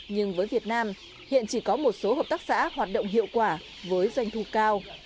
nhưng với việt nam hiện chỉ có một số hợp tác xã hoạt động hiệu quả với doanh thu cao